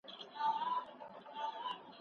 شدید فشار ګټور تمامېدای شي.